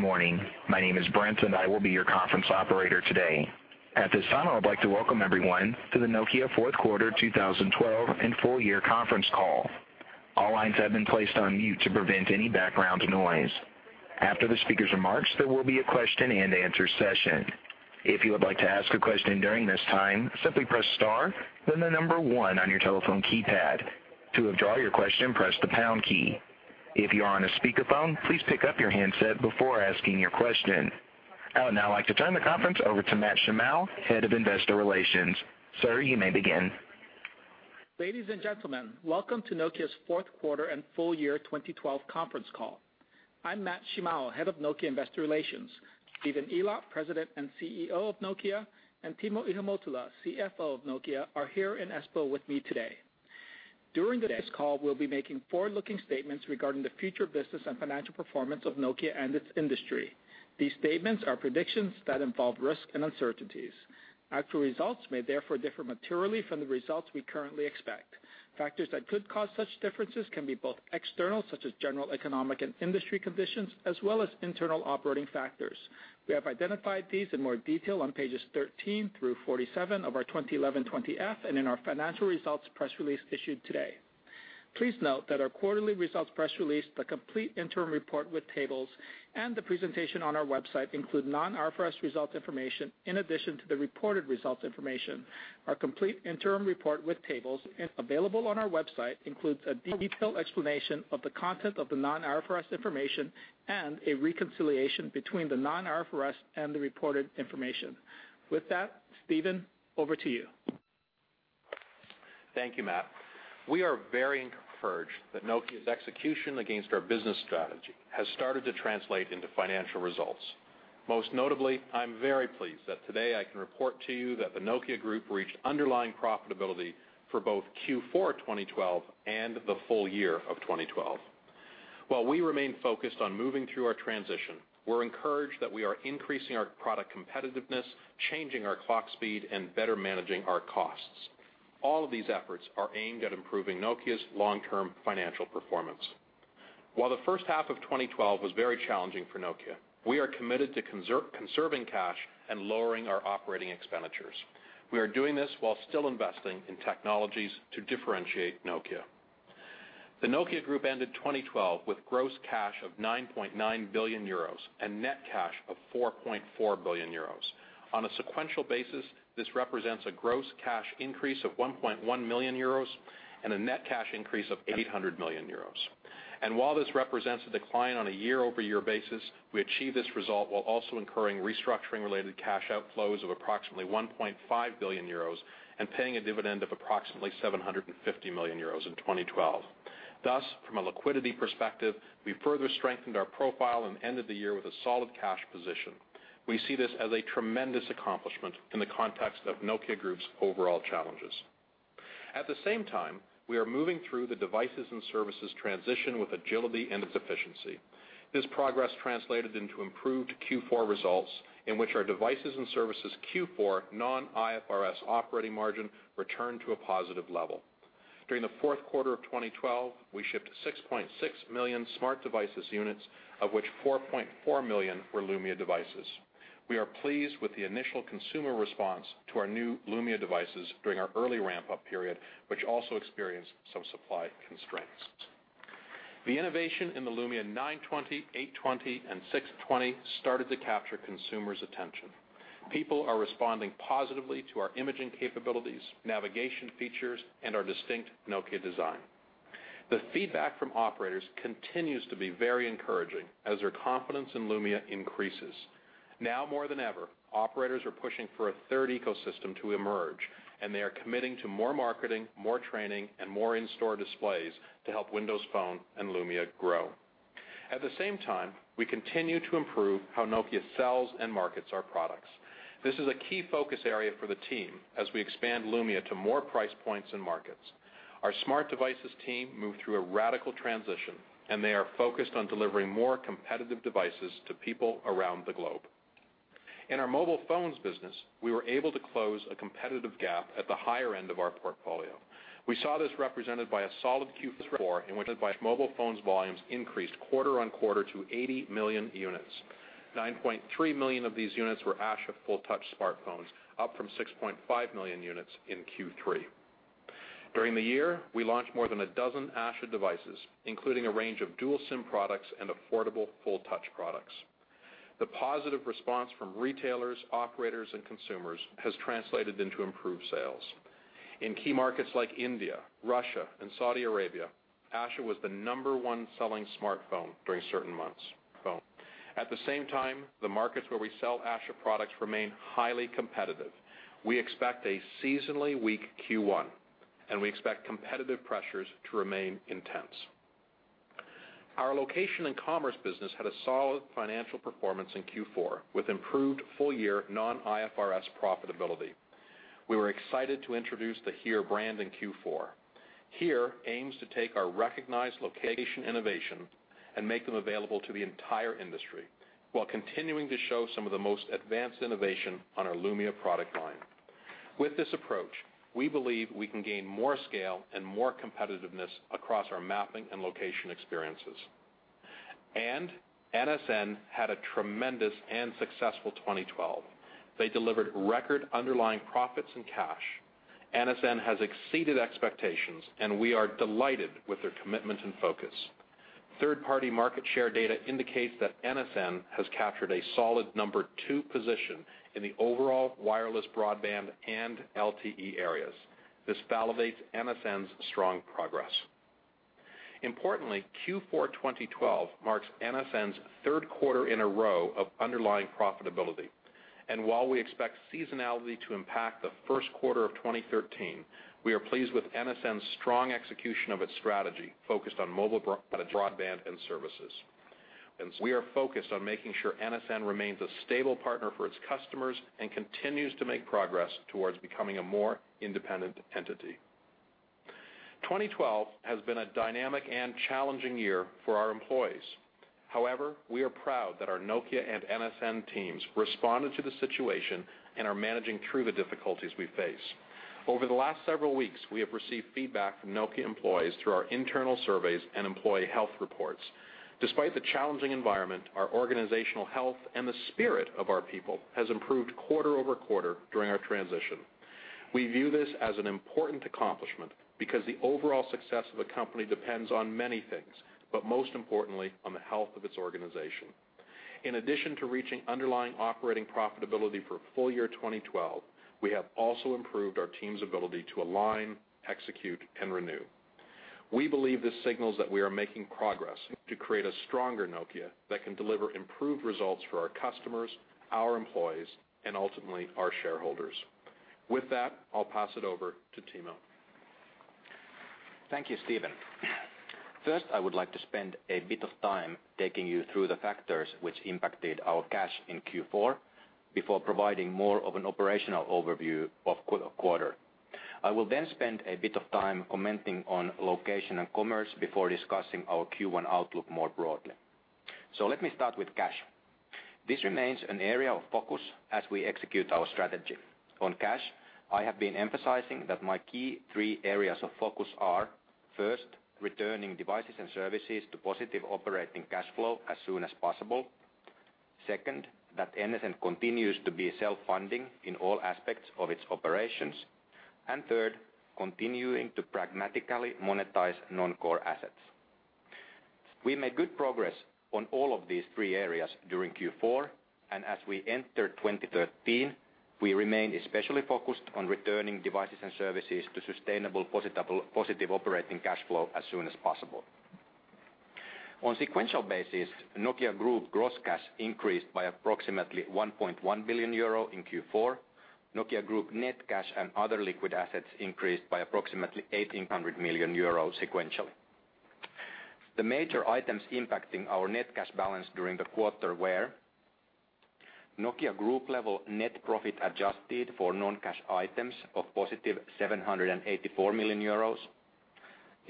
Good morning. My name is Brent, and I will be your conference operator today. At this time, I would like to welcome everyone to the Nokia Fourth Quarter 2012 and Full Year conference call. All lines have been placed on mute to prevent any background noise. After the speaker's remarks, there will be a question-and-answer session. If you would like to ask a question during this time, simply press star, then the number one on your telephone keypad. To withdraw your question, press the pound key. If you are on a speakerphone, please pick up your handset before asking your question. I would now like to turn the conference over to Matt Shimao, Head of Investor Relations. Sir, you may begin. Ladies and gentlemen, welcome to Nokia's fourth quarter and full year 2012 conference call. I'm Matt Shimao, Head of Nokia Investor Relations. Stephen Elop, President and CEO of Nokia, and Timo Ihamuotila, CFO of Nokia, are here in Espoo with me today. During today's call, we'll be making forward-looking statements regarding the future business and financial performance of Nokia and its industry. These statements are predictions that involve risks and uncertainties. Actual results may therefore differ materially from the results we currently expect. Factors that could cause such differences can be both external, such as general economic and industry conditions, as well as internal operating factors. We have identified these in more detail on pages 13 through 47 of our 2011 20-F and in our financial results press release issued today. Please note that our quarterly results press release, the complete interim report with tables, and the presentation on our website include non-IFRS result information in addition to the reported results information. Our complete interim report with tables available on our website includes a detailed explanation of the content of the non-IFRS information and a reconciliation between the non-IFRS and the reported information. With that, Stephen, over to you. Thank you, Matt. We are very encouraged that Nokia's execution against our business strategy has started to translate into financial results. Most notably, I'm very pleased that today I can report to you that the Nokia Group reached underlying profitability for both Q4 2012 and the full year of 2012. While we remain focused on moving through our transition, we're encouraged that we are increasing our product competitiveness, changing our clock speed, and better managing our costs. All of these efforts are aimed at improving Nokia's long-term financial performance. While the first half of 2012 was very challenging for Nokia, we are committed to conserving cash and lowering our operating expenditures. We are doing this while still investing in technologies to differentiate Nokia. The Nokia group ended 2012 with gross cash of 9.9 billion euros and net cash of 4.4 billion euros. On a sequential basis, this represents a gross cash increase of 1.1 million euros and a net cash increase of 800 million euros. And while this represents a decline on a year-over-year basis, we achieved this result while also incurring restructuring related cash outflows of approximately 1.5 billion euros and paying a dividend of approximately 750 million euros in 2012. Thus, from a liquidity perspective, we further strengthened our profile and ended the year with a solid cash position. We see this as a tremendous accomplishment in the context of Nokia Group's overall challenges. At the same time, we are moving through the devices and services transition with agility and efficiency. This progress translated into improved Q4 results, in which our devices and services Q4 non-IFRS operating margin returned to a positive level. During the fourth quarter of 2012, we shipped 6.6 million smart devices units, of which 4.4 million were Lumia devices. We are pleased with the initial consumer response to our new Lumia devices during our early ramp-up period, which also experienced some supply constraints. The innovation in the Lumia 920, 820, and 620 started to capture consumers' attention. People are responding positively to our imaging capabilities, navigation features, and our distinct Nokia design. The feedback from operators continues to be very encouraging as their confidence in Lumia increases. Now more than ever, operators are pushing for a third ecosystem to emerge, and they are committing to more marketing, more training, and more in-store displays to help Windows Phone and Lumia grow. At the same time, we continue to improve how Nokia sells and markets our products. This is a key focus area for the team as we expand Lumia to more price points and markets. Our smart devices team moved through a radical transition, and they are focused on delivering more competitive devices to people around the globe. In our mobile phones business, we were able to close a competitive gap at the higher end of our portfolio. We saw this represented by a solid Q4, in which mobile phones volumes increased quarter-on-quarter to 80 million units. 9.3 million of these units were Asha full touch smartphones, up from 6.5 million units in Q3. During the year, we launched more than a dozen Asha devices, including a range of dual SIM products and affordable full touch products. The positive response from retailers, operators, and consumers has translated into improved sales. In key markets like India, Russia, and Saudi Arabia, Asha was the number one selling smartphone during certain months. At the same time, the markets where we sell Asha products remain highly competitive. We expect a seasonally weak Q1, and we expect competitive pressures to remain intense. Our location and commerce business had a solid financial performance in Q4, with improved full year non-IFRS profitability. We were excited to introduce the HERE brand in Q4. HERE aims to take our recognized location innovation and make them available to the entire industry while continuing to show some of the most advanced innovation on our Lumia product line. With this approach, we believe we can gain more scale and more competitiveness across our mapping and location experiences. NSN had a tremendous and successful 2012. They delivered record underlying profits and cash. NSN has exceeded expectations, and we are delighted with their commitment and focus. Third-party market share data indicates that NSN has captured a solid number two position in the overall wireless broadband and LTE areas. This validates NSN's strong progress. Importantly, Q4 2012 marks NSN's third quarter in a row of underlying profitability. While we expect seasonality to impact the first quarter of 2013, we are pleased with NSN's strong execution of its strategy, focused on mobile broadband and services. We are focused on making sure NSN remains a stable partner for its customers and continues to make progress towards becoming a more independent entity. 2012 has been a dynamic and challenging year for our employees. However, we are proud that our Nokia and NSN teams responded to the situation and are managing through the difficulties we face. Over the last several weeks, we have received feedback from Nokia employees through our internal surveys and employee health reports. Despite the challenging environment, our organizational health and the spirit of our people has improved quarter over quarter during our transition. We view this as an important accomplishment because the overall success of a company depends on many things, but most importantly, on the health of its organization. In addition to reaching underlying operating profitability for full year 2012, we have also improved our team's ability to align, execute, and renew. We believe this signals that we are making progress to create a stronger Nokia that can deliver improved results for our customers, our employees, and ultimately, our shareholders. With that, I'll pass it over to Timo. Thank you, Stephen. First, I would like to spend a bit of time taking you through the factors which impacted our cash in Q4 before providing more of an operational overview of quarter. I will then spend a bit of time commenting on location and commerce before discussing our Q1 outlook more broadly. So let me start with cash. This remains an area of focus as we execute our strategy. On cash, I have been emphasizing that my key three areas of focus are, first, returning devices and services to positive operating cash flow as soon as possible. Second, that NSN continues to be self-funding in all aspects of its operations. And third, continuing to pragmatically monetize non-core assets. We made good progress on all of these three areas during Q4, and as we enter 2013, we remain especially focused on returning devices and services to sustainable positive operating cash flow as soon as possible. On sequential basis, Nokia Group gross cash increased by approximately 1.1 billion euro in Q4. Nokia Group net cash and other liquid assets increased by approximately 1,800 million euros sequentially. The major items impacting our net cash balance during the quarter were: Nokia Group level net profit, adjusted for non-cash items of positive 784 million euros.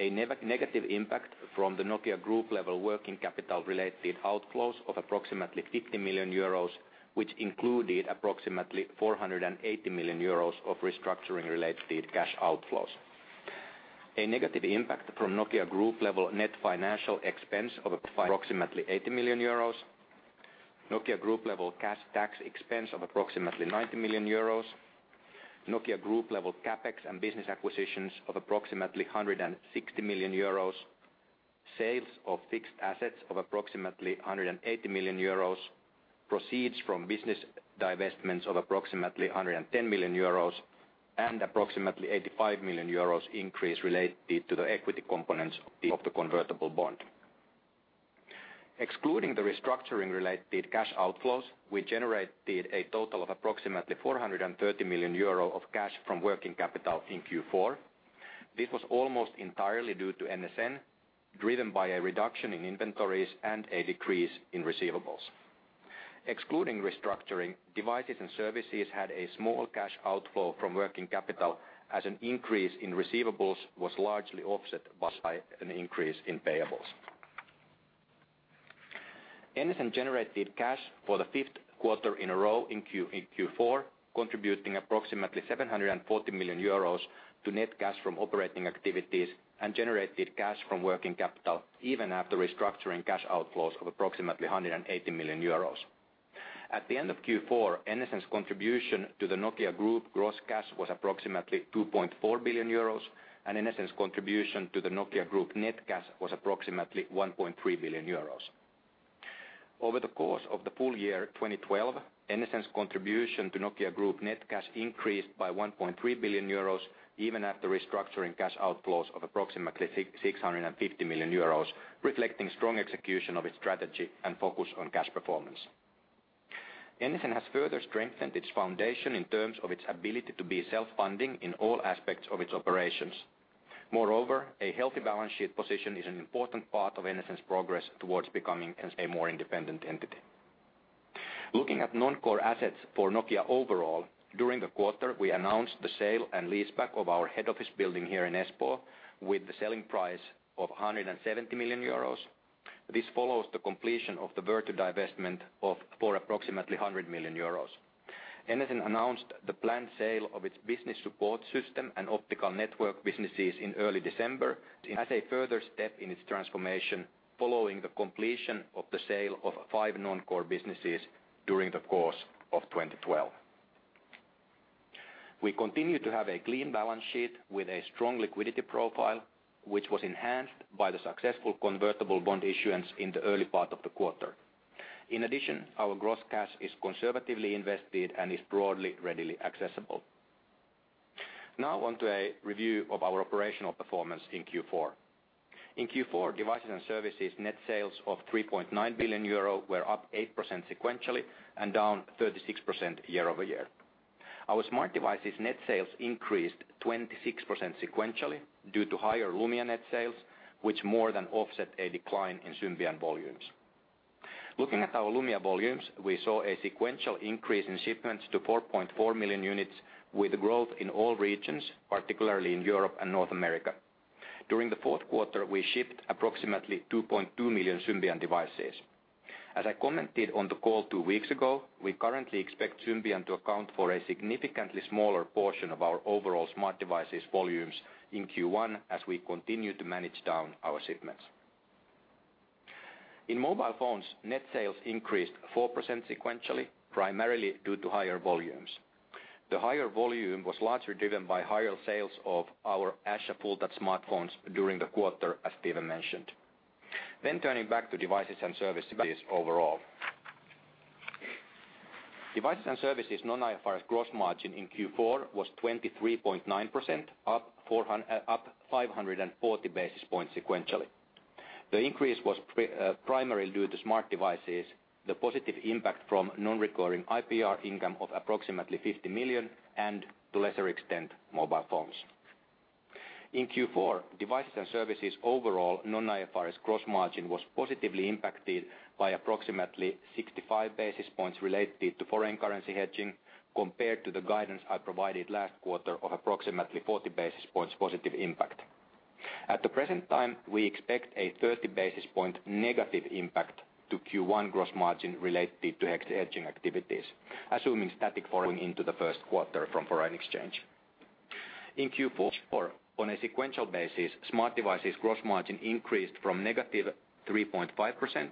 A negative impact from the Nokia Group level working capital related outflows of approximately 50 million euros, which included approximately 480 million euros of restructuring-related cash outflows. A negative impact from Nokia Group level net financial expense of approximately 80 million euros. Nokia Group level cash tax expense of approximately 90 million euros. Nokia Group level CapEx and business acquisitions of approximately 160 million euros. Sales of fixed assets of approximately 180 million euros. Proceeds from business divestments of approximately 110 million euros, and approximately 85 million euros increase related to the equity components of the convertible bond. Excluding the restructuring-related cash outflows, we generated a total of approximately 430 million euro of cash from working capital in Q4. This was almost entirely due to NSN, driven by a reduction in inventories and a decrease in receivables. Excluding restructuring, devices and services had a small cash outflow from working capital, as an increase in receivables was largely offset by an increase in payables. NSN generated cash for the fifth quarter in a row in Q4, contributing approximately 740 million euros to net cash from operating activities and generated cash from working capital, even after restructuring cash outflows of approximately 180 million euros. At the end of Q4, NSN's contribution to the Nokia Group gross cash was approximately 2.4 billion euros, and NSN's contribution to the Nokia Group net cash was approximately 1.3 billion euros. Over the course of the full year 2012, NSN's contribution to Nokia Group net cash increased by 1.3 billion euros, even after restructuring cash outflows of approximately 650 million euros, reflecting strong execution of its strategy and focus on cash performance. NSN has further strengthened its foundation in terms of its ability to be self-funding in all aspects of its operations. Moreover, a healthy balance sheet position is an important part of NSN's progress towards becoming as a more independent entity. Looking at non-core assets for Nokia overall, during the quarter, we announced the sale and leaseback of our head office building here in Espoo, with the selling price of 170 million euros. This follows the completion of the Vertu divestment of, for approximately 100 million euros. Nokia announced the planned sale of its business support system and optical network businesses in early December, as a further step in its transformation, following the completion of the sale of five non-core businesses during the course of 2012. We continue to have a clean balance sheet with a strong liquidity profile, which was enhanced by the successful convertible bond issuance in the early part of the quarter. In addition, our gross cash is conservatively invested and is broadly, readily accessible. Now on to a review of our operational performance in Q4. In Q4, devices and services net sales of 3.9 billion euro were up 8% sequentially and down 36% year-over-year. Our smart devices net sales increased 26% sequentially due to higher Lumia net sales, which more than offset a decline in Symbian volumes. Looking at our Lumia volumes, we saw a sequential increase in shipments to 4.4 million units, with growth in all regions, particularly in Europe and North America. During the fourth quarter, we shipped approximately 2.2 million Symbian devices. As I commented on the call two weeks ago, we currently expect Symbian to account for a significantly smaller portion of our overall smart devices volumes in Q1, as we continue to manage down our shipments. In mobile phones, net sales increased 4% sequentially, primarily due to higher volumes. The higher volume was largely driven by higher sales of our Asha full touch smartphones during the quarter, as Stephen mentioned. Then turning back to devices and services overall. Devices and services non-IFRS gross margin in Q4 was 23.9%, up 540 basis points sequentially. The increase was primarily due to smart devices, the positive impact from non-recurring IPR income of approximately 50 million, and to lesser extent, mobile phones. In Q4, devices and services overall, non-IFRS gross margin was positively impacted by approximately 65 basis points related to foreign currency hedging, compared to the guidance I provided last quarter of approximately 40 basis points positive impact. At the present time, we expect a 30 basis point negative impact to Q1 gross margin related to hedging activities, assuming static foreign into the first quarter from foreign exchange. In Q4, on a sequential basis, smart devices gross margin increased from -3.5%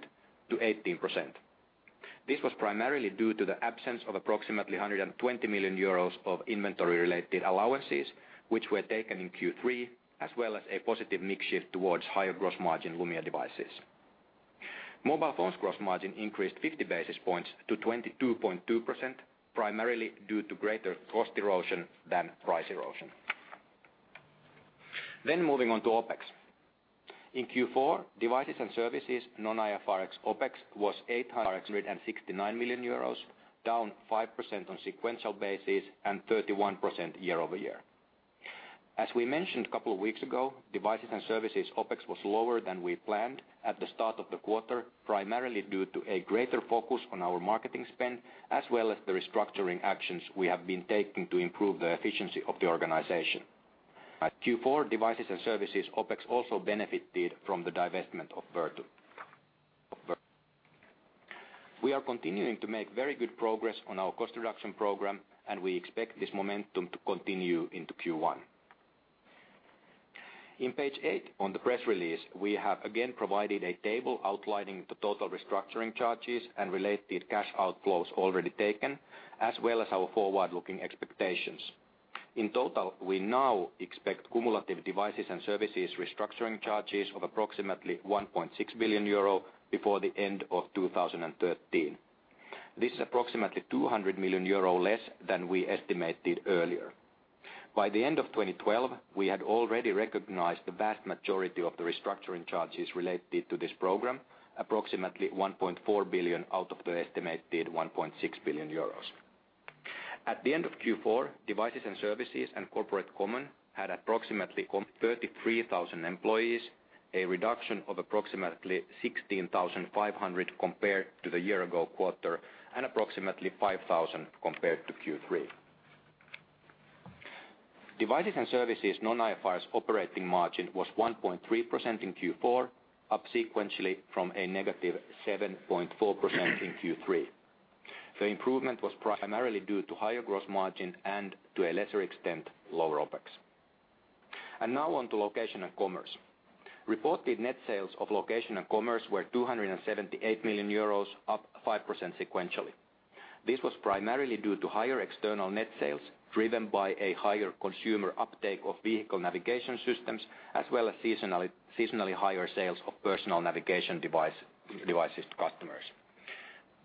to 18%. This was primarily due to the absence of approximately 120 million euros of inventory-related allowances, which were taken in Q3, as well as a positive mix shift towards higher gross margin Lumia devices. Mobile phones gross margin increased 50 basis points to 22.2%, primarily due to greater cost erosion than price erosion. Then moving on to OpEx. In Q4, devices and services non-IFRS OpEx was 869 million euros, down 5% on sequential basis and 31% year-over-year. As we mentioned a couple of weeks ago, devices and services OpEx was lower than we planned at the start of the quarter, primarily due to a greater focus on our marketing spend, as well as the restructuring actions we have been taking to improve the efficiency of the organization. Q4 devices and services OpEx also benefited from the divestment of Vertu. We are continuing to make very good progress on our cost reduction program, and we expect this momentum to continue into Q1. On page eight of the press release, we have again provided a table outlining the total restructuring charges and related cash outflows already taken, as well as our forward-looking expectations. In total, we now expect cumulative devices and services restructuring charges of approximately 1.6 billion euro before the end of 2013. This is approximately 200 million euro less than we estimated earlier. By the end of 2012, we had already recognized the vast majority of the restructuring charges related to this program, approximately 1.4 billion out of the estimated 1.6 billion euros. At the end of Q4, devices and services and corporate common had approximately 33,000 employees, a reduction of approximately 16,500 compared to the year ago quarter, and approximately 5,000 compared to Q3. Devices and services non-IFRS operating margin was 1.3% in Q4, up sequentially from a negative 7.4% in Q3. The improvement was primarily due to higher gross margin and, to a lesser extent, lower OpEx. And now on to location and commerce. Reported net sales of location and commerce were 278 million euros, up 5% sequentially. This was primarily due to higher external net sales, driven by a higher consumer uptake of vehicle navigation systems, as well as seasonally higher sales of personal navigation devices to customers.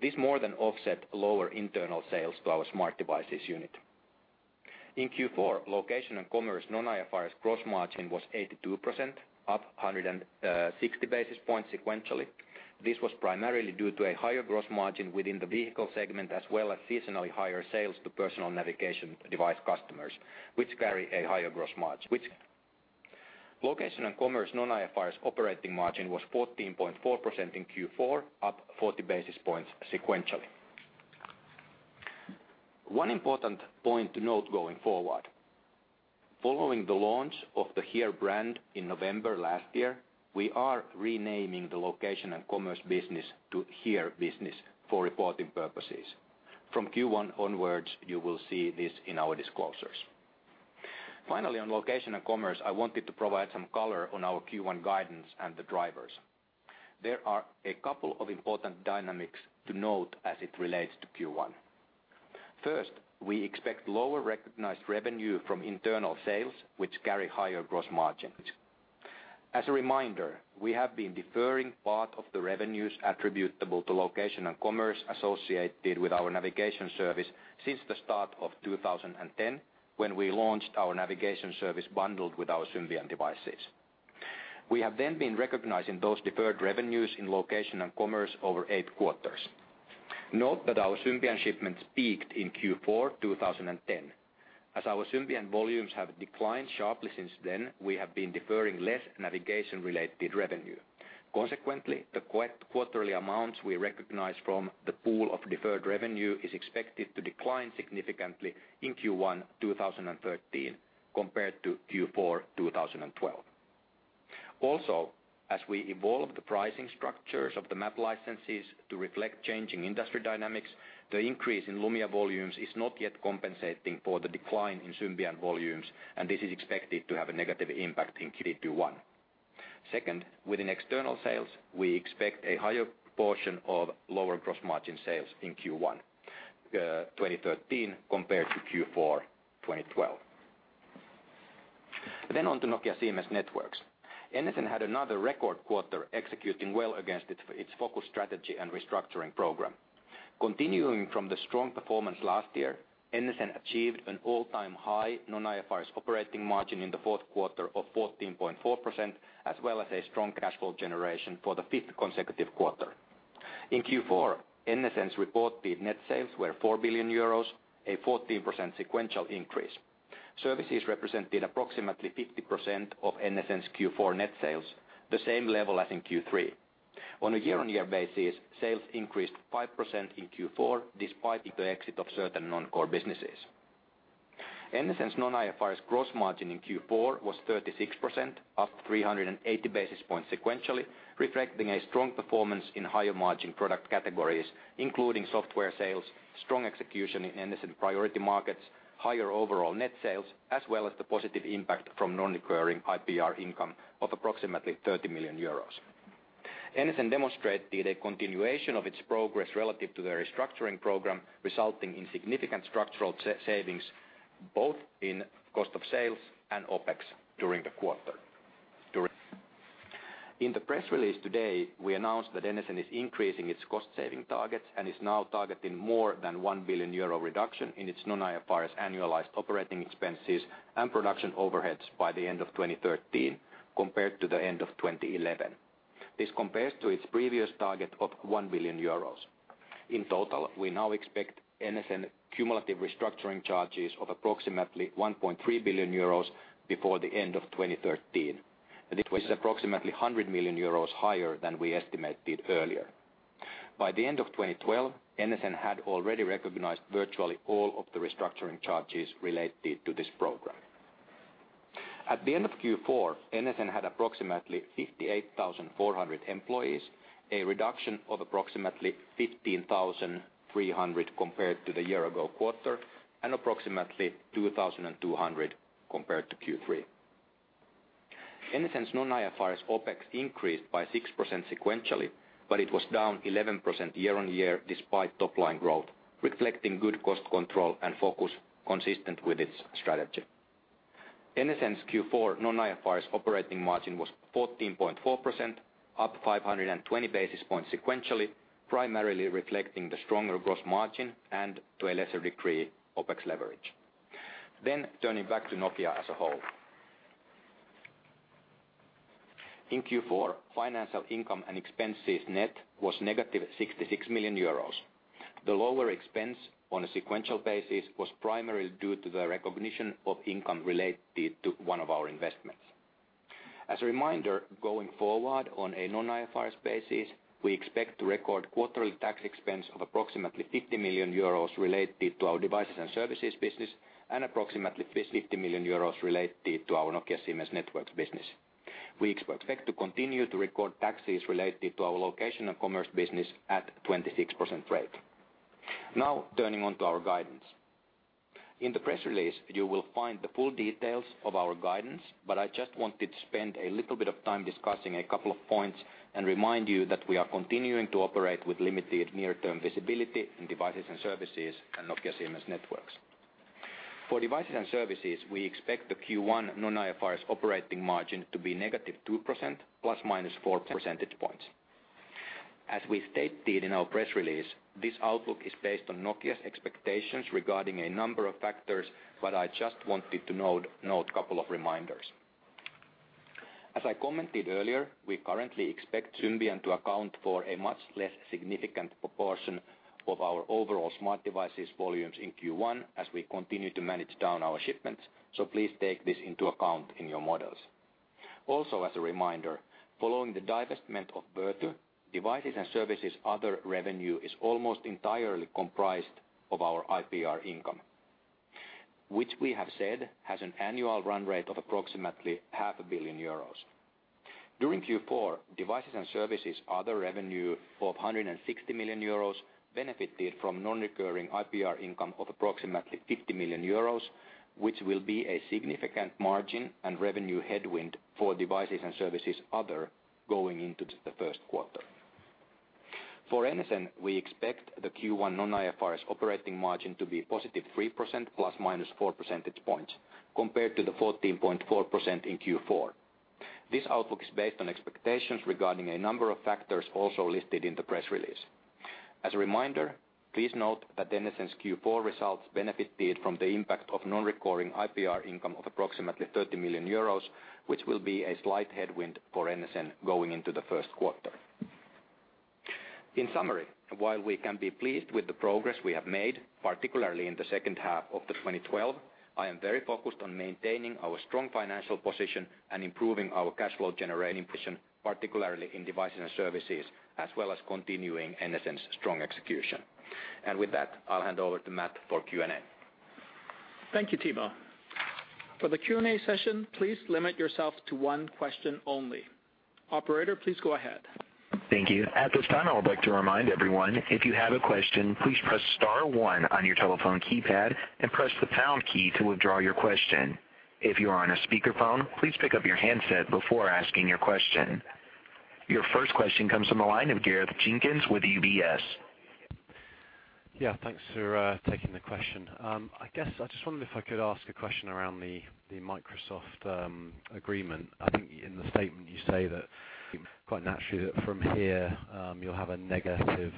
This more than offset lower internal sales to our smart devices unit. In Q4, Location and Commerce non-IFRS gross margin was 82%, up 160 basis points sequentially. This was primarily due to a higher gross margin within the vehicle segment, as well as seasonally higher sales to personal navigation device customers, which carry a higher gross margin. Which Location and Commerce non-IFRS operating margin was 14.4% in Q4, up 40 basis points sequentially. One important point to note going forward: following the launch of the HERE brand in November last year, we are renaming the Location and Commerce business to HERE business for reporting purposes. From Q1 onwards, you will see this in our disclosures. Finally, on Location and Commerce, I wanted to provide some color on our Q1 guidance and the drivers. There are a couple of important dynamics to note as it relates to Q1. First, we expect lower recognized revenue from internal sales, which carry higher gross margins. As a reminder, we have been deferring part of the revenues attributable to Location and Commerce associated with our navigation service since the start of 2010, when we launched our navigation service bundled with our Symbian devices. We have then been recognizing those deferred revenues in Location and Commerce over eight quarters. Note that our Symbian shipments peaked in Q4 2010. As our Symbian volumes have declined sharply since then, we have been deferring less navigation-related revenue. Consequently, the quarterly amounts we recognize from the pool of deferred revenue is expected to decline significantly in Q1 2013, compared to Q4 2012. Also, as we evolve the pricing structures of the map licenses to reflect changing industry dynamics, the increase in Lumia volumes is not yet compensating for the decline in Symbian volumes, and this is expected to have a negative impact in Q1. Second, within external sales, we expect a higher portion of lower gross margin sales in Q1 2013 compared to Q4 2012. Then on to Nokia Siemens Networks. NSN had another record quarter executing well against its focus strategy and restructuring program. Continuing from the strong performance last year, NSN achieved an all-time high non-IFRS operating margin in the fourth quarter of 14.4%, as well as a strong cash flow generation for the fifth consecutive quarter. In Q4, NSN's reported net sales were 4 billion euros, a 14% sequential increase. Services represented approximately 50% of NSN's Q4 net sales, the same level as in Q3. On a year-on-year basis, sales increased 5% in Q4, despite the exit of certain non-core businesses. NSN's non-IFRS gross margin in Q4 was 36%, up 380 basis points sequentially, reflecting a strong performance in higher-margin product categories, including software sales, strong execution in NSN priority markets, higher overall net sales, as well as the positive impact from non-recurring IPR income of approximately 30 million euros. NSN demonstrated a continuation of its progress relative to the restructuring program, resulting in significant structural savings, both in cost of sales and OpEx during the quarter. In the press release today, we announced that NSN is increasing its cost-saving targets and is now targeting more than 1 billion euro reduction in its non-IFRS annualized operating expenses and production overheads by the end of 2013, compared to the end of 2011. This compares to its previous target of 1 billion euros. In total, we now expect NSN cumulative restructuring charges of approximately 1.3 billion euros before the end of 2013, and it was approximately 100 million euros higher than we estimated earlier. By the end of 2012, NSN had already recognized virtually all of the restructuring charges related to this program. At the end of Q4, NSN had approximately 58,400 employees, a reduction of approximately 15,300 compared to the year-ago quarter, and approximately 2,200 compared to Q3. NSN's non-IFRS OpEx increased by 6% sequentially, but it was down 11% year-on-year, despite top-line growth, reflecting good cost control and focus consistent with its strategy. NSN's Q4 non-IFRS operating margin was 14.4%, up 520 basis points sequentially, primarily reflecting the stronger gross margin and, to a lesser degree, OpEx leverage. Then turning back to Nokia as a whole. In Q4, financial income and expenses net was -66 million euros. The lower expense on a sequential basis was primarily due to the recognition of income related to one of our investments. As a reminder, going forward on a non-IFRS basis, we expect to record quarterly tax expense of approximately 50 million euros related to our Devices and Services business and approximately 50 million euros related to our Nokia CMS Networks business. We expect to continue to record taxes related to our Location and Commerce business at 26% rate. Now, turning on to our guidance. In the press release, you will find the full details of our guidance, but I just wanted to spend a little bit of time discussing a couple of points and remind you that we are continuing to operate with limited near-term visibility in Devices and Services and Nokia CMS Networks. For Devices and Services, we expect the Q1 non-IFRS operating margin to be -2%, ±4 percentage points. As we stated in our press release, this outlook is based on Nokia's expectations regarding a number of factors, but I just wanted to note a couple of reminders. As I commented earlier, we currently expect Symbian to account for a much less significant proportion of our overall smart devices volumes in Q1, as we continue to manage down our shipments, so please take this into account in your models. Also, as a reminder, following the divestment of Vertu, Devices and Services Other revenue is almost entirely comprised of our IPR income, which we have said has an annual run rate of approximately 500 million euros. During Q4, Devices and Services Other revenue of 160 million euros benefited from non-recurring IPR income of approximately 50 million euros, which will be a significant margin and revenue headwind for Devices and Services Other going into the first quarter. For NSN, we expect the Q1 non-IFRS operating margin to be positive 3% ±4 percentage points compared to the 14.4% in Q4. This outlook is based on expectations regarding a number of factors also listed in the press release. As a reminder, please note that NSN's Q4 results benefited from the impact of non-recurring IPR income of approximately 30 million euros, which will be a slight headwind for NSN going into the first quarter. In summary, while we can be pleased with the progress we have made, particularly in the second half of 2012, I am very focused on maintaining our strong financial position and improving our cash flow generating position, particularly in Devices and Services, as well as continuing NSN's strong execution. With that, I'll hand over to Matt for Q&A. Thank you, Timo. For the Q&A session, please limit yourself to one question only. Operator, please go ahead. Thank you. At this time, I would like to remind everyone, if you have a question, please press star one on your telephone keypad and press the pound key to withdraw your question. If you are on a speakerphone, please pick up your handset before asking your question. Your first question comes from the line of Gareth Jenkins with UBS. Yeah, thanks for taking the question. I guess I just wondered if I could ask a question around the Microsoft agreement. I think in the statement you say that quite naturally, that from here, you'll have a negative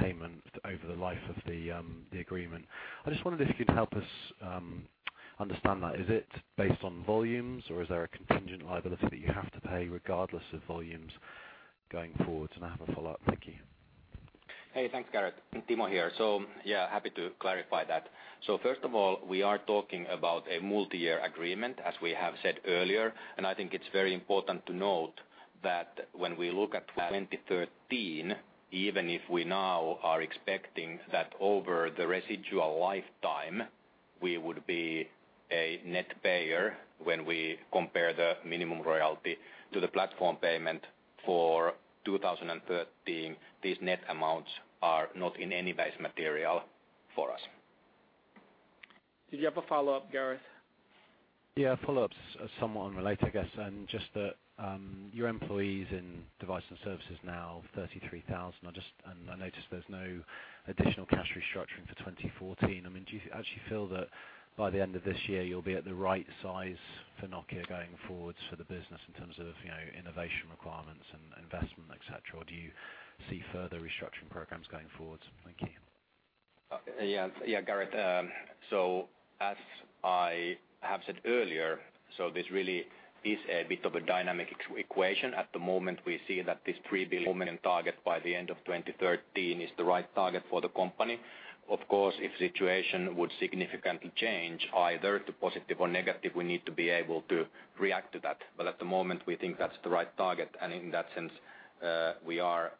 payment over the life of the agreement. I just wondered if you'd help us understand that. Is it based on volumes, or is there a contingent liability that you have to pay regardless of volumes going forward? And I have a follow-up. Thank you. Hey, thanks, Gareth. Timo here. So, yeah, happy to clarify that. So first of all, we are talking about a multi-year agreement, as we have said earlier, and I think it's very important to note that when we look at 2013, even if we now are expecting that over the residual lifetime, we would be a net payer when we compare the minimum royalty to the platform payment for 2013, these net amounts are not in any base material for us. Did you have a follow-up, Gareth? Yeah, follow-up's somewhat unrelated, I guess. Just that, your employees in Device and Services now, 33,000. I just... And I noticed there's no additional cash restructuring for 2014. I mean, do you actually feel that by the end of this year, you'll be at the right size for Nokia going forward for the business in terms of, you know, innovation requirements and investment, et cetera, or do you see further restructuring programs going forward? Thank you. Yeah, yeah, Gareth. So as I have said earlier, so this really is a bit of a dynamic equation. At the moment, we see that this 3 billion target by the end of 2013 is the right target for the company. Of course, if the situation would significantly change either to positive or negative, we need to be able to react to that. But at the moment, we think that's the right target, and in that sense, we are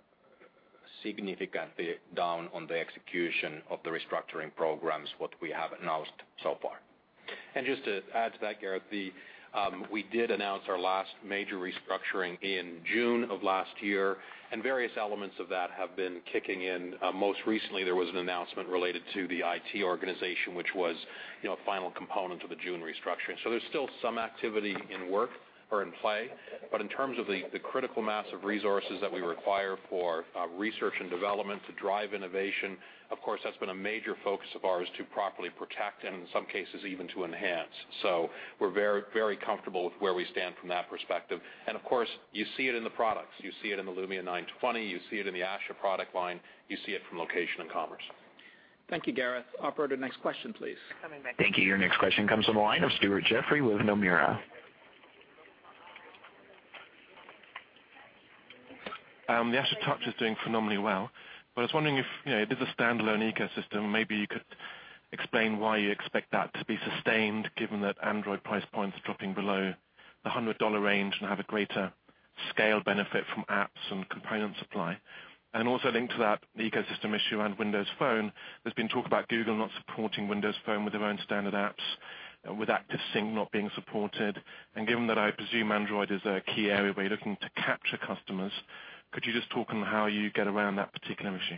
significantly down on the execution of the restructuring programs, what we have announced so far. And just to add to that, Gareth, we did announce our last major restructuring in June of last year, and various elements of that have been kicking in. Most recently, there was an announcement related to the IT organization, which was, you know, a final component of the June restructuring. So there's still some activity in work or in play, but in terms of the critical mass of resources that we require for research and development to drive innovation, of course, that's been a major focus of ours to properly protect and in some cases, even to enhance. So we're very, very comfortable with where we stand from that perspective. And of course, you see it in the products. You see it in the Lumia 920, you see it in the Asha product line, you see it from location and commerce. Thank you, Gareth. Operator, next question, please. Thank you. Your next question comes from the line of Stuart Jeffrey with Nomura. The Asha touch is doing phenomenally well, but I was wondering if, you know, it is a standalone ecosystem. Maybe you could explain why you expect that to be sustained, given that Android price point is dropping below the $100 range and have a greater scale benefit from apps and component supply? And also linked to that, the ecosystem issue and Windows Phone, there's been talk about Google not supporting Windows Phone with their own standard apps and with ActiveSync not being supported. And given that I presume Android is a key area where you're looking to capture customers, could you just talk on how you get around that particular issue?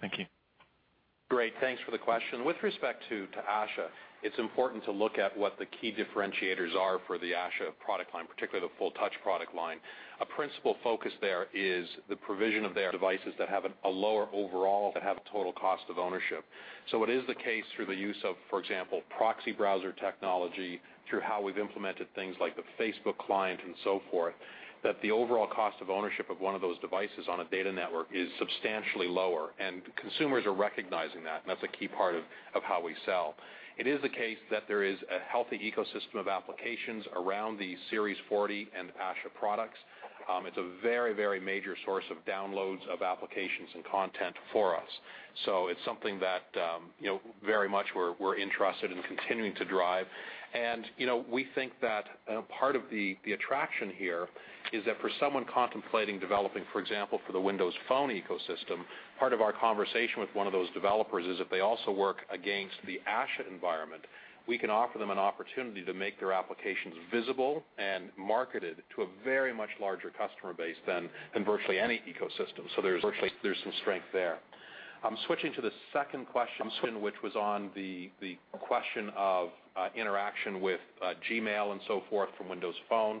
Thank you. Great, thanks for the question. With respect to, to Asha, it's important to look at what the key differentiators are for the Asha product line, particularly the full touch product line. A principal focus there is the provision of their devices that have a lower overall, that have a total cost of ownership. So it is the case through the use of, for example, proxy browser technology, through how we've implemented things like the Facebook client and so forth, that the overall cost of ownership of one of those devices on a data network is substantially lower, and consumers are recognizing that, and that's a key part of, of how we sell. It is the case that there is a healthy ecosystem of applications around the Series 40 and Asha products. It's a very, very major source of downloads of applications and content for us. So it's something that, you know, very much we're interested in continuing to drive. And, you know, we think that part of the attraction here is that for someone contemplating developing, for example, for the Windows Phone ecosystem, part of our conversation with one of those developers is if they also work against the Asha environment, we can offer them an opportunity to make their applications visible and marketed to a very much larger customer base than in virtually any ecosystem. So there's some strength there. I'm switching to the second question, which was on the question of interaction with Gmail and so forth from Windows Phone.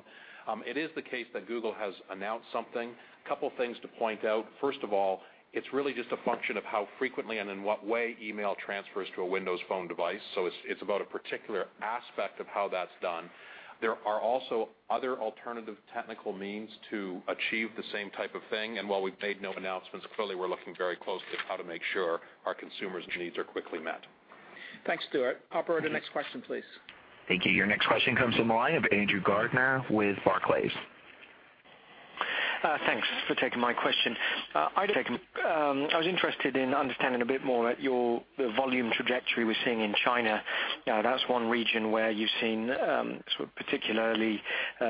It is the case that Google has announced something. A couple things to point out. First of all, it's really just a function of how frequently and in what way email transfers to a Windows Phone device. So it's, it's about a particular aspect of how that's done. There are also other alternative technical means to achieve the same type of thing, and while we've made no announcements, clearly, we're looking very closely at how to make sure our consumers' needs are quickly met. Thanks, Stuart. Operator, next question, please. Thank you. Your next question comes from the line of Andrew Gardner with Barclays. Thanks for taking my question. I'd, I was interested in understanding a bit more about your, the volume trajectory we're seeing in China. Now, that's one region where you've seen, sort of particularly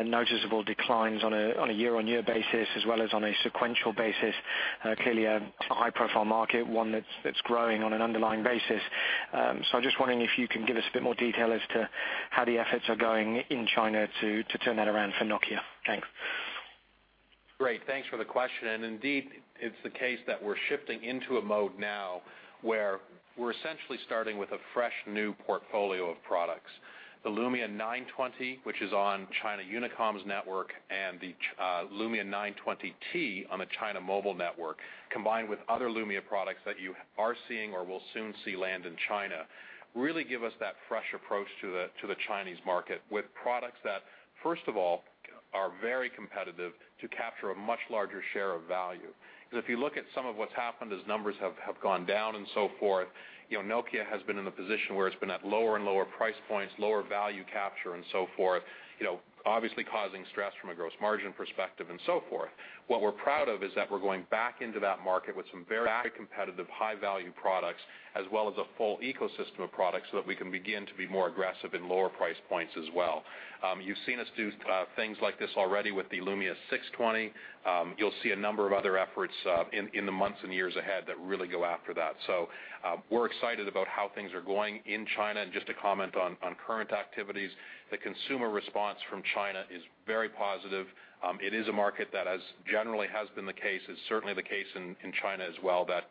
noticeable declines on a year-over-year basis, as well as on a sequential basis. Clearly, a high-profile market, one that's growing on an underlying basis. So I'm just wondering if you can give us a bit more detail as to how the efforts are going in China to turn that around for Nokia. Thanks. Great, thanks for the question, and indeed, it's the case that we're shifting into a mode now where we're essentially starting with a fresh new portfolio of products. The Lumia 920, which is on China Unicom's network, and the Lumia 920T on the China Mobile network, combined with other Lumia products that you are seeing or will soon see land in China, really give us that fresh approach to the, to the Chinese market with products that, first of all, are very competitive to capture a much larger share of value. Because if you look at some of what's happened as numbers have, have gone down and so forth, you know, Nokia has been in a position where it's been at lower and lower price points, lower value capture and so forth, you know, obviously causing stress from a gross margin perspective and so forth. What we're proud of is that we're going back into that market with some very competitive, high-value products, as well as a full ecosystem of products, so that we can begin to be more aggressive in lower price points as well. You've seen us do things like this already with the Lumia 620. You'll see a number of other efforts in the months and years ahead that really go after that. We're excited about how things are going in China. Just to comment on current activities, the consumer response from China is very positive. It is a market that as generally has been the case, is certainly the case in China as well, that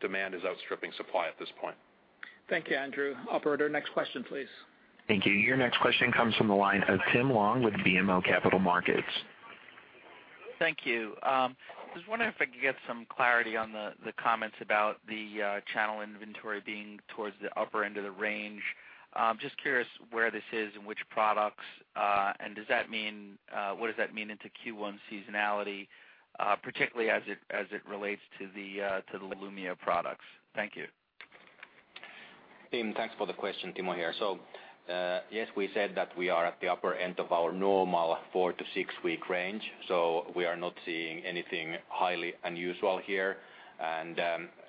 demand is outstripping supply at this point. Thank you, Andrew. Operator, next question, please. Thank you. Your next question comes from the line of Tim Long with BMO Capital Markets. Thank you. I was wondering if I could get some clarity on the, the comments about the, channel inventory being towards the upper end of the range. Just curious where this is and which products, and does that mean, what does that mean into Q1 seasonality, particularly as it, as it relates to the, to the Lumia products? Thank you. Tim, thanks for the question. Timo here. So, yes, we said that we are at the upper end of our normal 4-6-week range, so we are not seeing anything highly unusual here. And,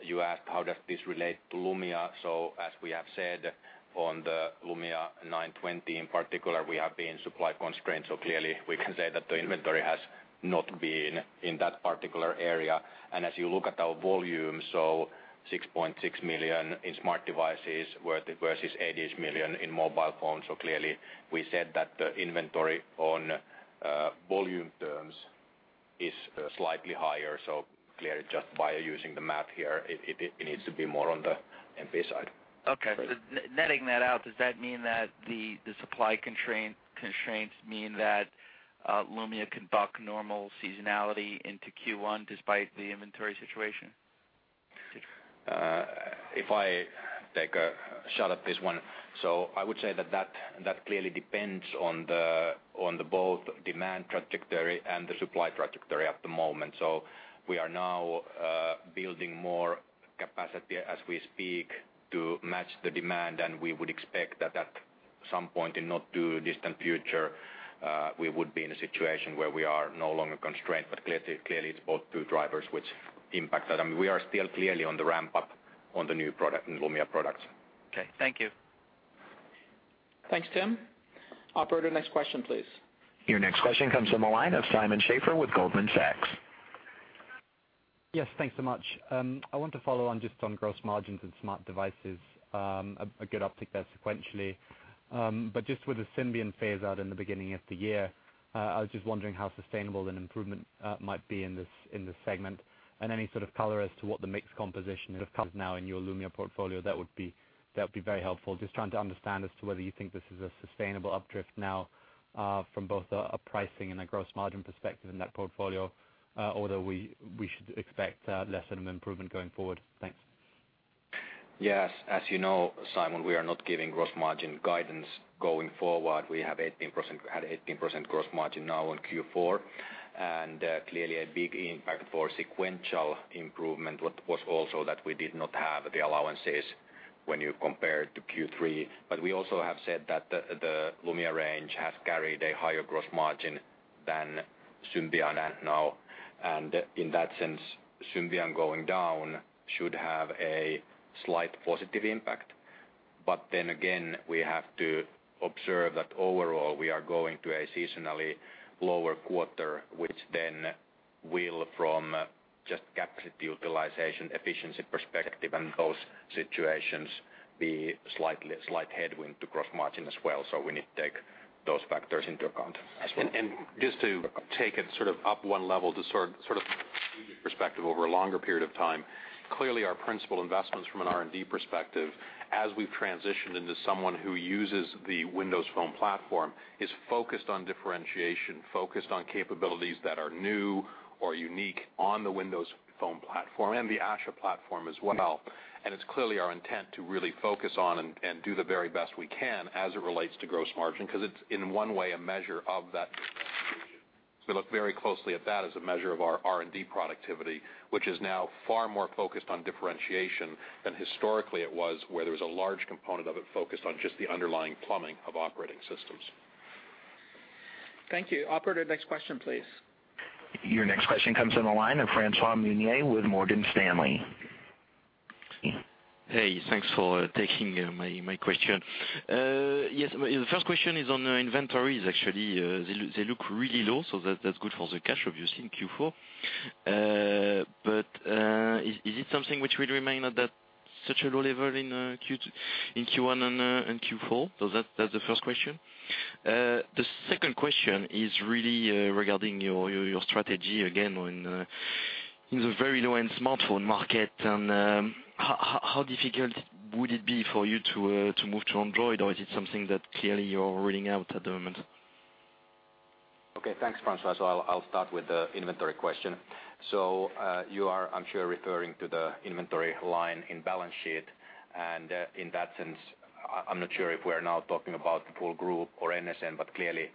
you asked how does this relate to Lumia? So as we have said on the Lumia 920 in particular, we have been supply constrained, so clearly we can say that the inventory has not been in that particular area. And as you look at our volumes, so 6.6 million in smart devices, versus 8-ish million in mobile phones. So clearly, we said that the inventory on, volume terms is slightly higher, so clearly just by using the map here, it, it needs to be more on the MP side. Okay. So netting that out, does that mean that the supply constraints mean that Lumia can buck normal seasonality into Q1 despite the inventory situation? If I take a shot at this one. So I would say that, that, that clearly depends on the both demand trajectory and the supply trajectory at the moment. So we are now building more capacity as we speak to match the demand, and we would expect that at some point in not too distant future, we would be in a situation where we are no longer constrained. But clearly, clearly, it's both two drivers which impact that. I mean, we are still clearly on the ramp-up on the new product, in the Lumia products. Okay. Thank you. Thanks, Tim. Operator, next question, please. Your next question comes from the line of Simon Schaefer with Goldman Sachs. Yes, thanks so much. I want to follow on just on gross margins and smart devices. But just with the Symbian phase-out in the beginning of the year, I was just wondering how sustainable an improvement might be in this, in this segment? And any sort of color as to what the mix composition of comes now in your Lumia portfolio, that would be, that would be very helpful. Just trying to understand as to whether you think this is a sustainable updrift now, from both a pricing and a gross margin perspective in that portfolio, or that we should expect less of an improvement going forward. Thanks. Yes, as you know, Simon, we are not giving gross margin guidance going forward. We had 18% gross margin now in Q4, and clearly a big impact for sequential improvement, what was also that we did not have the allowances when you compare to Q3. But we also have said that the Lumia range has carried a higher gross margin than Symbian and now. And in that sense, Symbian going down should have a slight positive impact. But then again, we have to observe that overall, we are going to a seasonally lower quarter, which then will from just capacity utilization, efficiency perspective, and those situations be slightly, a slight headwind to gross margin as well. So we need to take those factors into account as well. And just to take it sort of up one level, to sort of perspective over a longer period of time. Clearly, our principal investments from an R&D perspective, as we've transitioned into someone who uses the Windows Phone platform, is focused on differentiation, focused on capabilities that are new or unique on the Windows Phone platform and the Asha platform as well. And it's clearly our intent to really focus on and do the very best we can as it relates to gross margin, 'cause it's in one way, a measure of that distinction. So we look very closely at that as a measure of our R&D productivity, which is now far more focused on differentiation than historically it was, where there was a large component of it focused on just the underlying plumbing of operating systems. Thank you. Operator, next question, please. Your next question comes from the line of François Meunier with Morgan Stanley. Hey, thanks for taking my question. Yes, the first question is on the inventories. Actually, they look really low, so that's good for the cash, obviously, in Q4. But is it something which will remain at that such a low level in Q1 and Q4? So that's the first question. The second question is really regarding your strategy again on in the very low-end smartphone market. How difficult would it be for you to move to Android, or is it something that clearly you're ruling out at the moment? Okay. Thanks, François. So I'll start with the inventory question. So you are, I'm sure, referring to the inventory line in the balance sheet. And in that sense, I'm not sure if we're now talking about the full group or NSN, but clearly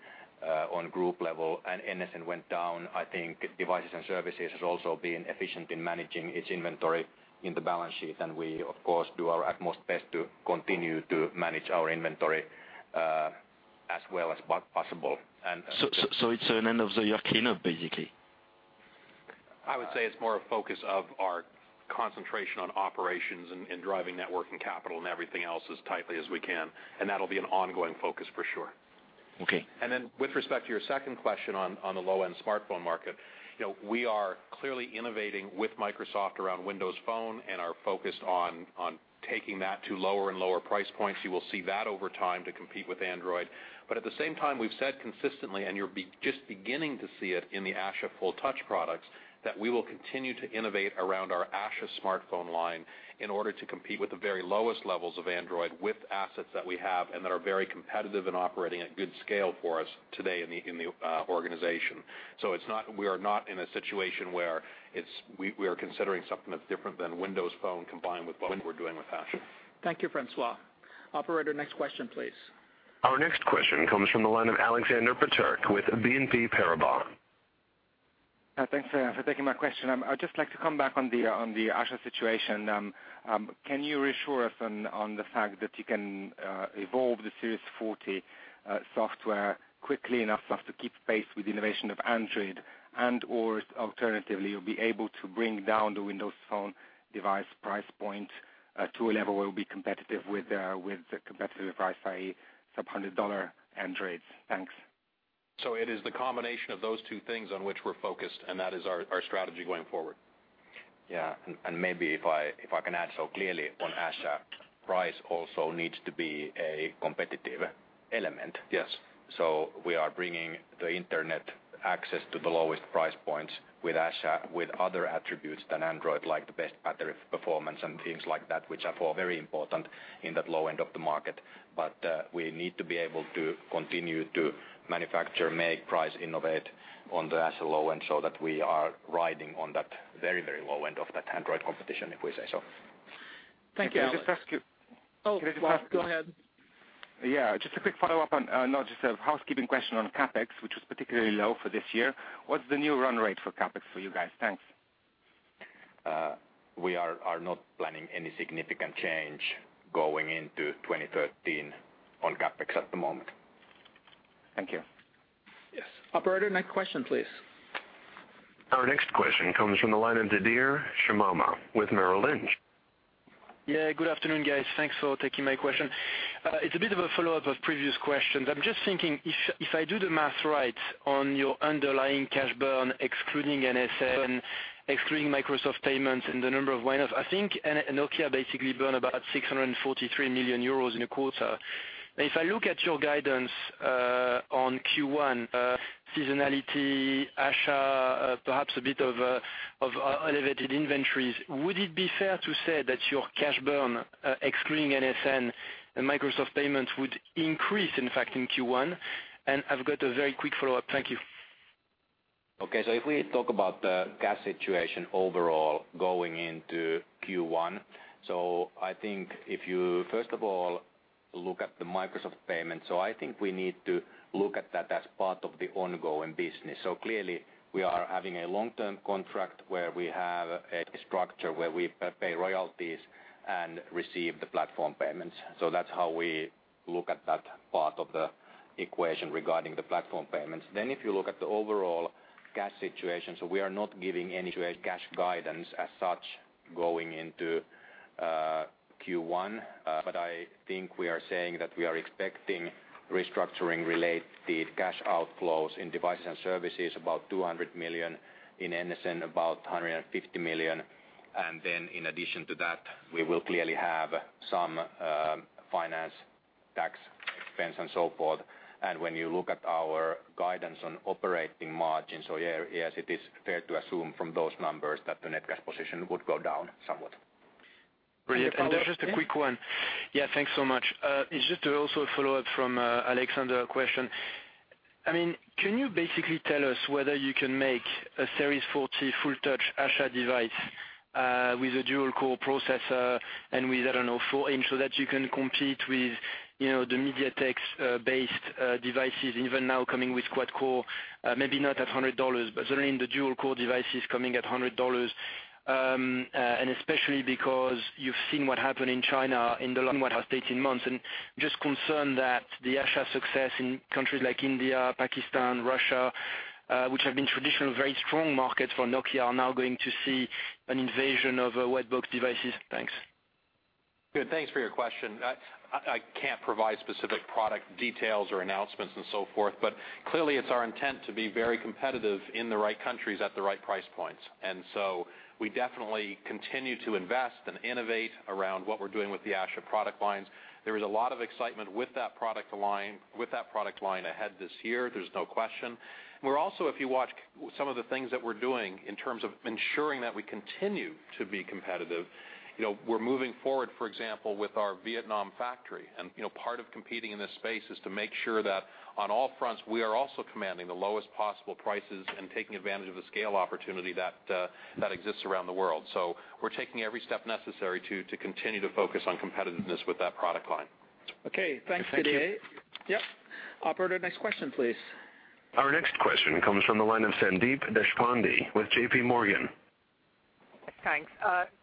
on group level and NSN went down. I think Devices and Services has also been efficient in managing its inventory in the balance sheet. And we, of course, do our utmost best to continue to manage our inventory as well as possible. And- So, it's an end of the year clean up, basically? I would say it's more a focus of our concentration on operations and driving network and capital and everything else as tightly as we can, and that'll be an ongoing focus for sure. Okay. And then with respect to your second question on the low-end smartphone market, you know, we are clearly innovating with Microsoft around Windows Phone and are focused on taking that to lower and lower price points. You will see that over time to compete with Android. But at the same time, we've said consistently, and you're just beginning to see it in the Asha full touch products, that we will continue to innovate around our Asha smartphone line in order to compete with the very lowest levels of Android, with assets that we have and that are very competitive and operating at good scale for us today in the organization. So it's not we are not in a situation where it's we are considering something that's different than Windows Phone combined with what we're doing with Asha. Thank you, François. Operator, next question, please. Our next question comes from the line of Alexander Peterc with BNP Paribas. Thanks for taking my question. I would just like to come back on the Asha situation. Can you reassure us on the fact that you can evolve the Series 40 software quickly enough as to keep pace with the innovation of Android and/or alternatively, you'll be able to bring down the Windows Phone device price point to a level where it'll be competitive with the competitive price, i.e., sub-$100 Androids? Thanks. It is the combination of those two things on which we're focused, and that is our, our strategy going forward. Yeah, and maybe if I can add. So clearly on Asha, price also needs to be a competitive element. Yes. So we are bringing the internet access to the lowest price points with Asha, with other attributes than Android, like the best battery performance and things like that, which are for very important in that low end of the market. But, we need to be able to continue to manufacture, make, price, innovate on the Asha low end so that we are riding on that very, very low end of that Android competition, if we say so. Thank you, Alex- Can I just ask you- Oh, go ahead. Yeah, just a quick follow-up on, no, just a housekeeping question on CapEx, which was particularly low for this year. What's the new run rate for CapEx for you guys? Thanks. We are not planning any significant change going into 2013 on CapEx at the moment. Thank you. Yes. Operator, next question, please. Our next question comes from the line of Didier Scemama with Merrill Lynch. Yeah, good afternoon, guys. Thanks for taking my question. It's a bit of a follow-up of previous questions. I'm just thinking, if I do the math right on your underlying cash burn, excluding NSN, excluding Microsoft payments and the number of one-offs, I think Nokia basically burn about 643 million euros in a quarter. If I look at your guidance on Q1 seasonality, Asha perhaps a bit of elevated inventories, would it be fair to say that your cash burn, excluding NSN and Microsoft payments, would increase, in fact, in Q1? And I've got a very quick follow-up. Thank you. Okay. So if we talk about the cash situation overall going into Q1, so I think if you, first of all, look at the Microsoft payment. So I think we need to look at that as part of the ongoing business. So clearly, we are having a long-term contract where we have a structure where we pay royalties and receive the platform payments. So that's how we look at that part of the equation regarding the platform payments. Then if you look at the overall cash situation, so we are not giving any cash guidance as such, going into Q1. But I think we are saying that we are expecting restructuring-related cash outflows in devices and services, about 200 million, in NSN, about 150 million. And then in addition to that, we will clearly have some finance, tax, expense, and so forth. When you look at our guidance on operating margins, so yeah, yes, it is fair to assume from those numbers that the net cash position would go down somewhat. Brilliant. And just a quick one. Yeah? Yeah, thanks so much. It's just to also follow up from Alexander question. I mean, can you basically tell us whether you can make a Series 40 full touch Asha device with a dual-core processor and with, I don't know, 4-inch, so that you can compete with, you know, the MediaTek's based devices, even now coming with quad-core? Maybe not at $100, but certainly in the dual-core devices coming at $100. And especially because you've seen what happened in China in the last 18 months, and just concerned that the Asha success in countries like India, Pakistan, Russia, which have been traditionally very strong markets for Nokia, are now going to see an invasion of white box devices. Thanks. Good. Thanks for your question. I can't provide specific product details or announcements and so forth, but clearly, it's our intent to be very competitive in the right countries at the right price points. And so we definitely continue to invest and innovate around what we're doing with the Asha product lines. There is a lot of excitement with that product line, with that product line ahead this year, there's no question. We're also, if you watch some of the things that we're doing in terms of ensuring that we continue to be competitive, you know, we're moving forward, for example, with our Vietnam factory. And, you know, part of competing in this space is to make sure that on all fronts, we are also commanding the lowest possible prices and taking advantage of the scale opportunity that, that exists around the world. So we're taking every step necessary to continue to focus on competitiveness with that product line. Okay, thanks, Didier. Thank you. Yep. Operator, next question, please. Our next question comes from the line of Sandeep Deshpande with J.P. Morgan. Thanks.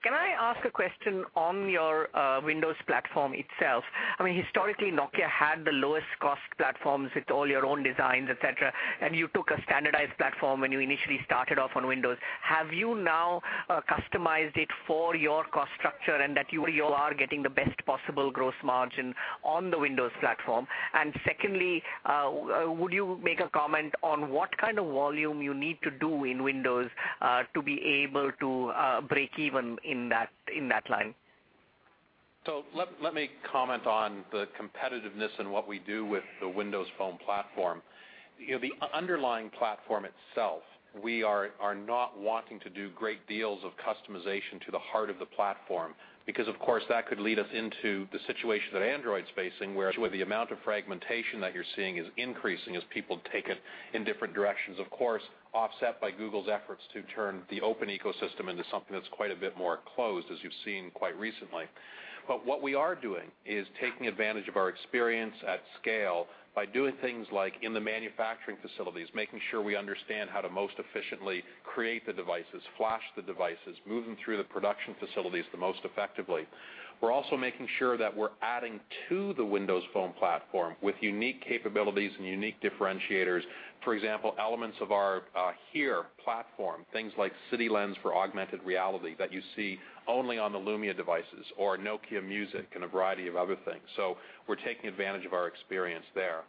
Can I ask a question on your Windows platform itself? I mean, historically, Nokia had the lowest cost platforms with all your own designs, et cetera, and you took a standardized platform when you initially started off on Windows. Have you now customized it for your cost structure and that you are getting the best possible gross margin on the Windows platform? And secondly, would you make a comment on what kind of volume you need to do in Windows to be able to break even in that, in that line? So let me comment on the competitiveness and what we do with the Windows Phone platform. You know, the underlying platform itself, we are not wanting to do great deals of customization to the heart of the platform because, of course, that could lead us into the situation that Android's facing, where the amount of fragmentation that you're seeing is increasing as people take it in different directions. Of course, offset by Google's efforts to turn the open ecosystem into something that's quite a bit more closed, as you've seen quite recently. But what we are doing is taking advantage of our experience at scale by doing things like in the manufacturing facilities, making sure we understand how to most efficiently create the devices, flash the devices, move them through the production facilities the most effectively. We're also making sure that we're adding to the Windows Phone platform with unique capabilities and unique differentiators. For example, elements of our HERE platform, things like City Lens for augmented reality that you see only on the Lumia devices or Nokia Music and a variety of other things. So we're taking advantage of our experience there.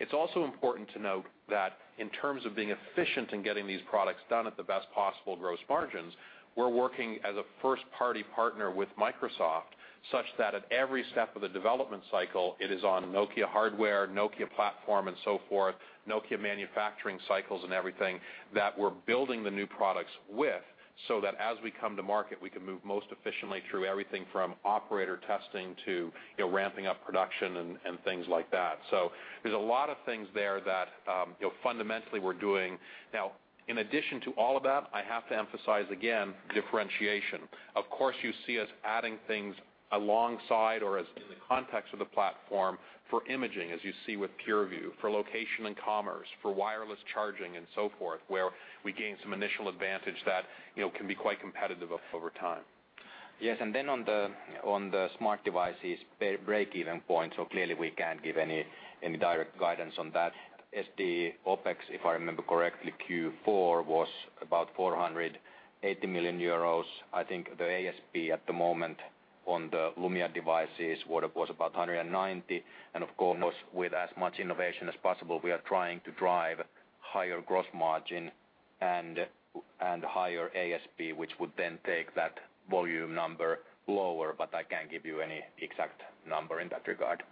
It's also important to note that in terms of being efficient in getting these products done at the best possible gross margins, we're working as a first-party partner with Microsoft, such that at every step of the development cycle, it is on Nokia hardware, Nokia platform, and so forth, Nokia manufacturing cycles and everything, that we're building the new products with, so that as we come to market, we can move most efficiently through everything from operator testing to, you know, ramping up production and things like that. So there's a lot of things there that, you know, fundamentally we're doing. Now, in addition to all of that, I have to emphasize, again, differentiation. Of course, you see us adding things alongside or as in the context of the platform for imaging, as you see with PureView, for location and commerce, for wireless charging and so forth, where we gain some initial advantage that, you know, can be quite competitive over time. Yes, and then on the, on the smart devices break-even point, so clearly we can't give any direct guidance on that. As the OpEx, if I remember correctly, Q4 was about 480 million euros. I think the ASP at the moment on the Lumia devices, what it was about 190, and of course, with as much innovation as possible, we are trying to drive higher gross margin and higher ASP, which would then take that volume number lower, but I can't give you any exact number in that regard.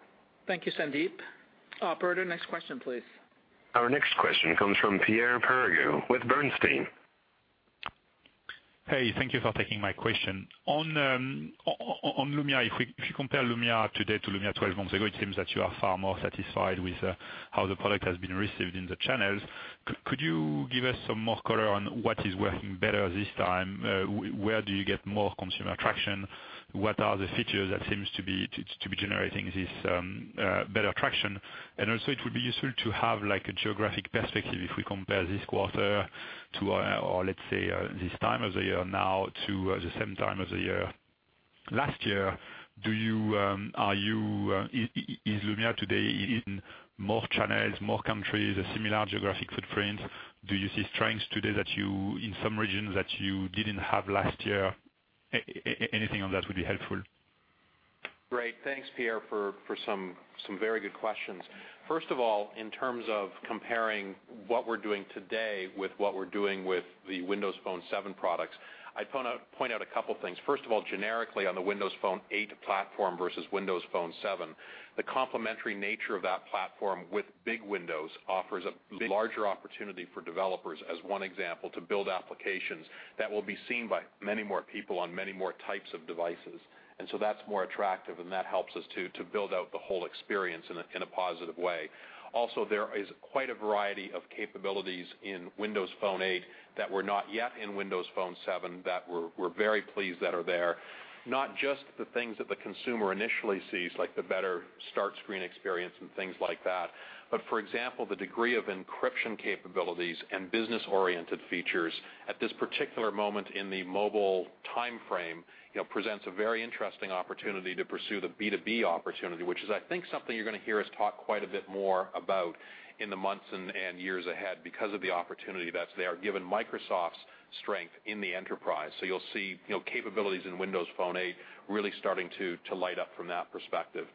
Thank you, Sandeep. Operator, next question, please. Our next question comes from Pierre Ferragu with Bernstein. ... Hey, thank you for taking my question. On Lumia, if you compare Lumia today to Lumia 12 months ago, it seems that you are far more satisfied with how the product has been received in the channels. Could you give us some more color on what is working better this time? Where do you get more consumer attraction? What are the features that seems to be generating this better attraction? And also, it would be useful to have, like, a geographic perspective if we compare this time of the year now to the same time of the year last year. Is Lumia today in more channels, more countries, a similar geographic footprint? Do you see strengths today that you, in some regions, that you didn't have last year? Anything on that would be helpful. Great, thanks, Pierre, for some very good questions. First of all, in terms of comparing what we're doing today with what we're doing with the Windows Phone 7 products, I'd point out a couple things. First of all, generically, on the Windows Phone 8 platform versus Windows Phone 7, the complementary nature of that platform with Big Windows offers a larger opportunity for developers, as one example, to build applications that will be seen by many more people on many more types of devices. And so that's more attractive, and that helps us to build out the whole experience in a positive way. Also, there is quite a variety of capabilities in Windows Phone 8 that were not yet in Windows Phone 7 that we're very pleased that are there. Not just the things that the consumer initially sees, like the better start screen experience and things like that, but for example, the degree of encryption capabilities and business-oriented features at this particular moment in the mobile time frame, you know, presents a very interesting opportunity to pursue the B2B opportunity, which is, I think, something you're gonna hear us talk quite a bit more about in the months and years ahead because of the opportunity that's there, given Microsoft's strength in the enterprise. So you'll see, you know, capabilities in Windows Phone 8 really starting to light up from that perspective.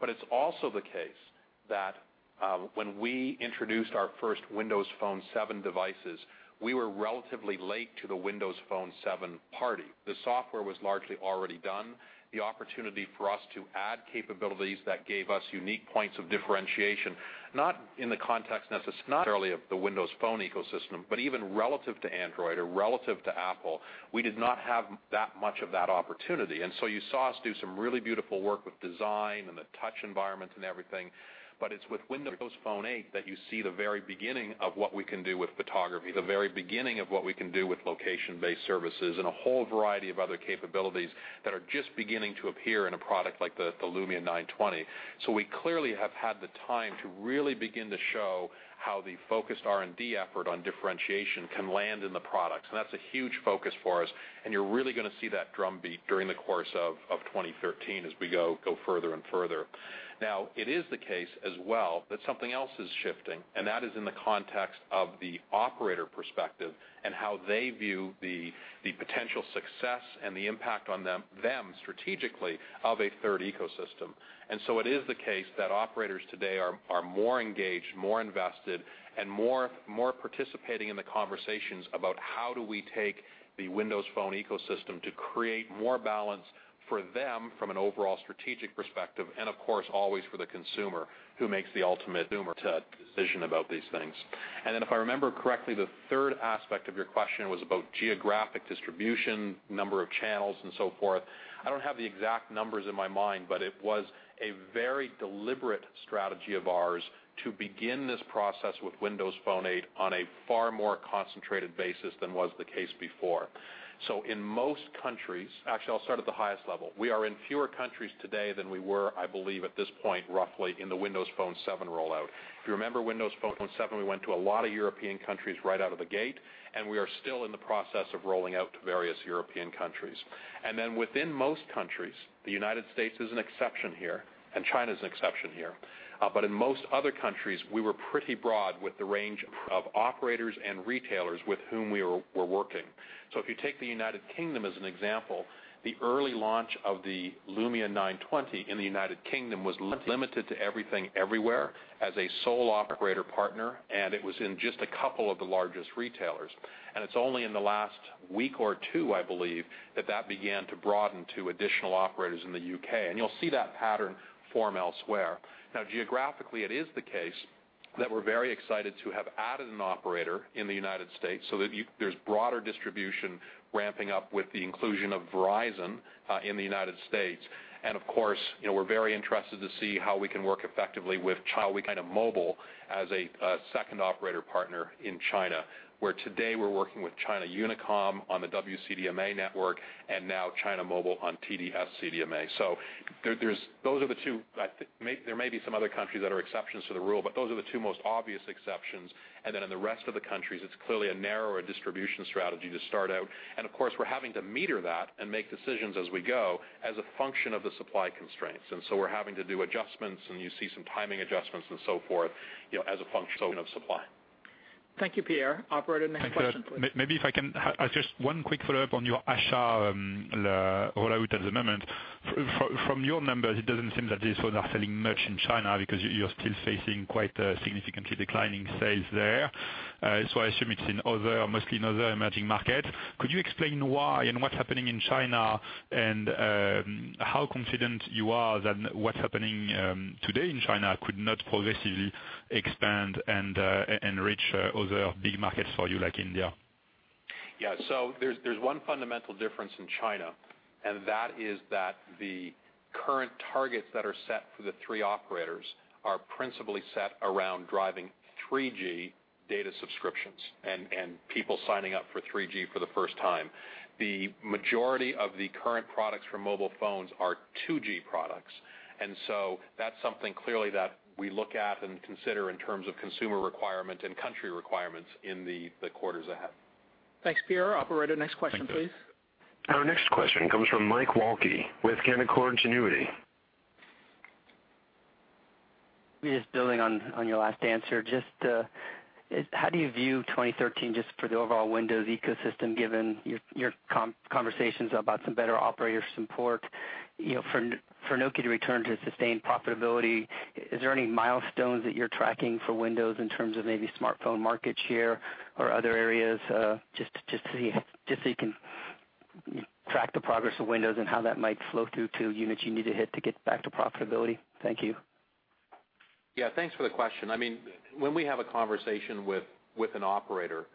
But it's also the case that, when we introduced our first Windows Phone 7 devices, we were relatively late to the Windows Phone 7 party. The software was largely already done. The opportunity for us to add capabilities that gave us unique points of differentiation, not in the context necessarily of the Windows Phone ecosystem, but even relative to Android or relative to Apple, we did not have that much of that opportunity. So you saw us do some really beautiful work with design and the touch environment and everything, but it's with Windows Phone 8 that you see the very beginning of what we can do with photography, the very beginning of what we can do with location-based services, and a whole variety of other capabilities that are just beginning to appear in a product like the Lumia 920. So we clearly have had the time to really begin to show how the focused R&D effort on differentiation can land in the products, and that's a huge focus for us, and you're really gonna see that drumbeat during the course of 2013 as we go further and further. Now, it is the case as well that something else is shifting, and that is in the context of the operator perspective and how they view the potential success and the impact on them strategically of a third ecosystem. And so it is the case that operators today are more engaged, more invested, and more participating in the conversations about how do we take the Windows Phone ecosystem to create more balance for them from an overall strategic perspective, and of course, always for the consumer, who makes the ultimate decision about these things. And then, if I remember correctly, the third aspect of your question was about geographic distribution, number of channels and so forth. I don't have the exact numbers in my mind, but it was a very deliberate strategy of ours to begin this process with Windows Phone 8 on a far more concentrated basis than was the case before. So in most countries... Actually, I'll start at the highest level. We are in fewer countries today than we were, I believe, at this point, roughly in the Windows Phone 7 rollout. If you remember, Windows Phone 7, we went to a lot of European countries right out of the gate, and we are still in the process of rolling out to various European countries. Then within most countries, the United States is an exception here, and China's an exception here, but in most other countries, we were pretty broad with the range of operators and retailers with whom we're working. So if you take the United Kingdom as an example, the early launch of the Lumia 920 in the United Kingdom was limited to Everything Everywhere as a sole operator partner, and it was in just a couple of the largest retailers. It's only in the last week or two, I believe, that that began to broaden to additional operators in the UK, and you'll see that pattern form elsewhere. Now, geographically, it is the case that we're very excited to have added an operator in the United States, so that you—there's broader distribution ramping up with the inclusion of Verizon in the United States. And of course, you know, we're very interested to see how we can work effectively with China Mobile as a second operator partner in China, where today we're working with China Unicom on the WCDMA network and now China Mobile on TD-SCDMA. So, there's those are the two. I think there may be some other countries that are exceptions to the rule, but those are the two most obvious exceptions. And then in the rest of the countries, it's clearly a narrower distribution strategy to start out. And of course, we're having to meter that and make decisions as we go as a function of the supply constraints. And so we're having to do adjustments, and you see some timing adjustments and so forth, you know, as a function of supply. Thank you, Pierre. Operator, next question, please. Maybe if I can just one quick follow-up on your Asha rollout at the moment. From your numbers, it doesn't seem that these phones are selling much in China because you're still facing quite a significantly declining sales there. So I assume it's in other, mostly in other emerging markets. Could you explain why and what's happening in China, and how confident you are that what's happening today in China could not progressively expand and and reach other big markets for you, like India?... Yeah, so there's one fundamental difference in China, and that is that the current targets that are set for the three operators are principally set around driving 3G data subscriptions and people signing up for 3G for the first time. The majority of the current products for mobile phones are 2G products, and so that's something clearly that we look at and consider in terms of consumer requirement and country requirements in the quarters ahead. Thanks, Pierre. Operator, next question, please. Our next question comes from Mike Walkley with Canaccord Genuity. Just building on your last answer, just how do you view 2013 just for the overall Windows ecosystem, given your conversations about some better operator support, you know, for Nokia to return to sustained profitability? Is there any milestones that you're tracking for Windows in terms of maybe smartphone market share or other areas? Just so you can track the progress of Windows and how that might flow through to units you need to hit to get back to profitability. Thank you. Yeah, thanks for the question. I mean, when we have a conversation with, with an operator,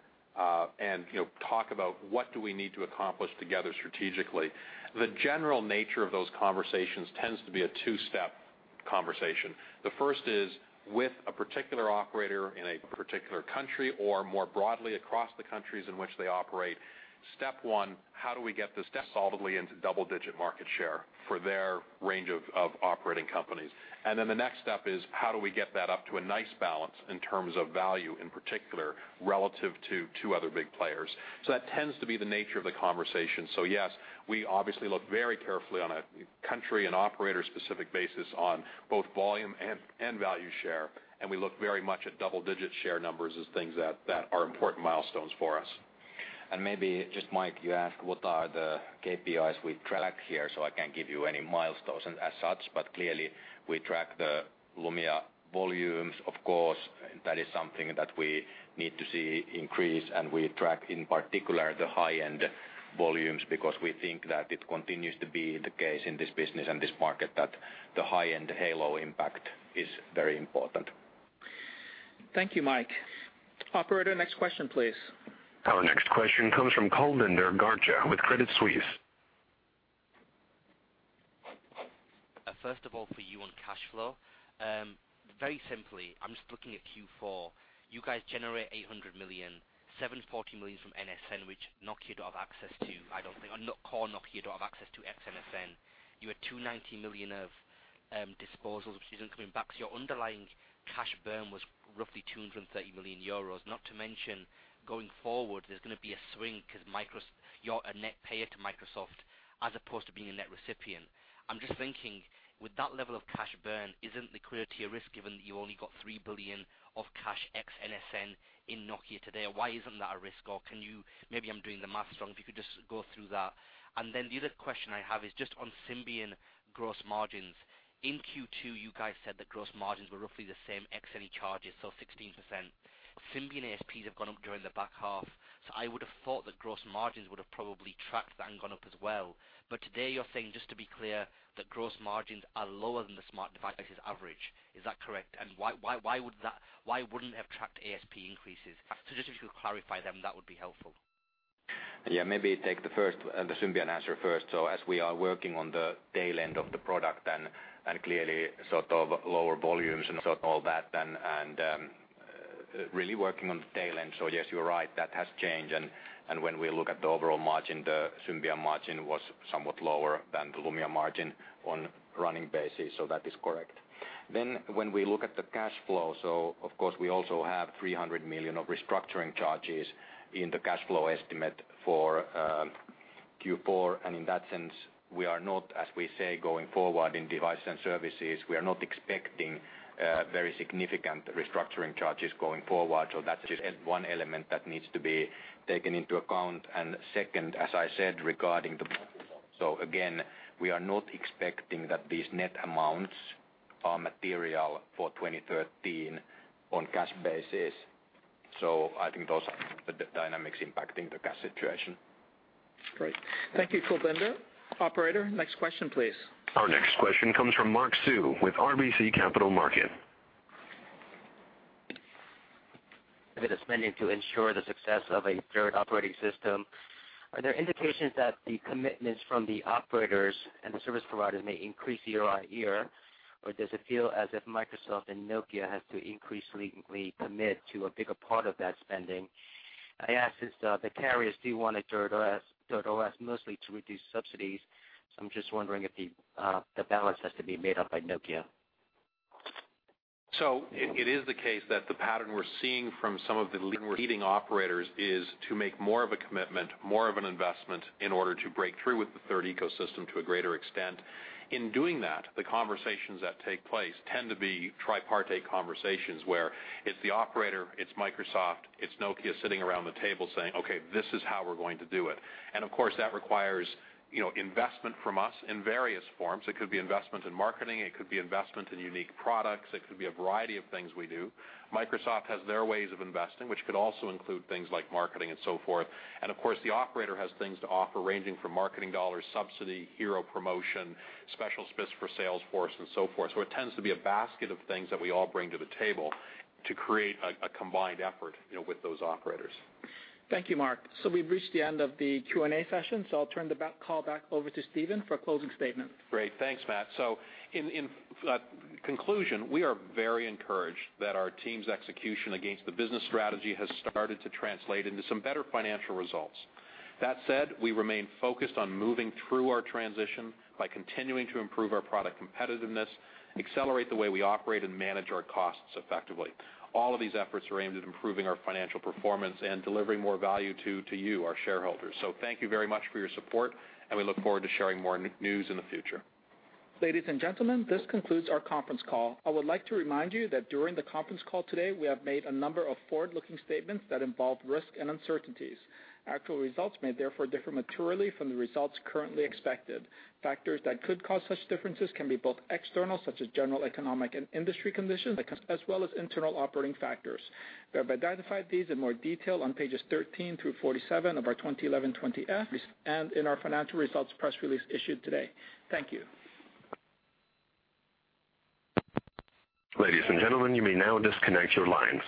and, you know, talk about what do we need to accomplish together strategically, the general nature of those conversations tends to be a two-step conversation. The first is with a particular operator in a particular country or more broadly, across the countries in which they operate. Step one: How do we get this solidly into double-digit market share for their range of, of operating companies? And then the next step is: How do we get that up to a nice balance in terms of value, in particular, relative to two other big players? So that tends to be the nature of the conversation. So yes, we obviously look very carefully on a country and operator-specific basis on both volume and, and value share, and we look very much at double-digit share numbers as things that, that are important milestones for us. And maybe just, Mike, you asked what are the KPIs we track here? So I can't give you any milestones as such, but clearly, we track the Lumia volumes, of course. That is something that we need to see increase, and we track, in particular, the high-end volumes, because we think that it continues to be the case in this business and this market, that the high-end halo impact is very important. Thank you, Mike. Operator, next question, please. Our next question comes from Kulbinder Garcha with Credit Suisse. First of all, for you on cash flow. Very simply, I'm just looking at Q4. You guys generate 800 million, 740 million from NSN, which Nokia don't have access to, I don't think, or not core Nokia don't have access to ex NSN. You had 290 million of disposals, which isn't coming back. So your underlying cash burn was roughly 230 million euros. Not to mention, going forward, there's going to be a swing because Microsoft, you're a net payer to Microsoft as opposed to being a net recipient. I'm just thinking, with that level of cash burn, isn't the liquidity risk given that you only got 3 billion of cash ex NSN in Nokia today? Why isn't that a risk, or can you... Maybe I'm doing the math wrong. If you could just go through that. And then the other question I have is just on Symbian gross margins. In Q2, you guys said that gross margins were roughly the same ex any charges, so 16%. Symbian ASPs have gone up during the back half, so I would have thought that gross margins would have probably tracked that and gone up as well. But today you're saying, just to be clear, that gross margins are lower than the smart devices average. Is that correct? And why, why, why would that—why wouldn't it have tracked ASP increases? So just if you could clarify them, that would be helpful. Yeah, maybe take the first, the Symbian answer first. So as we are working on the tail end of the product and clearly sort of lower volumes and so all that, really working on the tail end. Yes, you're right, that has changed. When we look at the overall margin, the Symbian margin was somewhat lower than the Lumia margin on a running basis. That is correct. Then, when we look at the cash flow, of course, we also have 300 million of restructuring charges in the cash flow estimate for Q4. In that sense, we are not, as we say, going forward in Devices and Services, we are not expecting very significant restructuring charges going forward. That's just one element that needs to be taken into account. And second, as I said, regarding the. So again, we are not expecting that these net amounts are material for 2013 on cash basis. So I think those are the dynamics impacting the cash situation. Great. Thank you, Kulbinder. Operator, next question, please. Our next question comes from Mark Sue with RBC Capital Markets. With the spending to ensure the success of a third operating system, are there indications that the commitments from the operators and the service providers may increase year on year? Or does it feel as if Microsoft and Nokia have to increasingly commit to a bigger part of that spending? I ask this, the carriers do want a third OS, third OS, mostly to reduce subsidies. So I'm just wondering if the balance has to be made up by Nokia. So it is the case that the pattern we're seeing from some of the leading operators is to make more of a commitment, more of an investment in order to break through with the third ecosystem to a greater extent. In doing that, the conversations that take place tend to be tripartite conversations, where it's the operator, it's Microsoft, it's Nokia sitting around the table saying, "Okay, this is how we're going to do it." And of course, that requires, you know, investment from us in various forms. It could be investment in marketing, it could be investment in unique products, it could be a variety of things we do. Microsoft has their ways of investing, which could also include things like marketing and so forth. And of course, the operator has things to offer, ranging from marketing dollars, subsidy, hero promotion, special slots for sales force and so forth. So it tends to be a basket of things that we all bring to the table to create a combined effort, you know, with those operators. Thank you, Mark. So we've reached the end of the Q&A session, so I'll turn the call back over to Stephen for a closing statement. Great. Thanks, Matt. So in conclusion, we are very encouraged that our team's execution against the business strategy has started to translate into some better financial results. That said, we remain focused on moving through our transition by continuing to improve our product competitiveness, accelerate the way we operate and manage our costs effectively. All of these efforts are aimed at improving our financial performance and delivering more value to you, our shareholders. So thank you very much for your support, and we look forward to sharing more news in the future. Ladies and gentlemen, this concludes our conference call. I would like to remind you that during the conference call today, we have made a number of forward-looking statements that involve risk and uncertainties. Actual results may therefore differ materially from the results currently expected. Factors that could cause such differences can be both external, such as general economic and industry conditions, as well as internal operating factors. We have identified these in more detail on pages 13 through 47 of our 2011 20-F, and in our financial results press release issued today. Thank you. Ladies and gentlemen, you may now disconnect your lines.